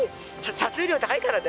撮影料高いからね。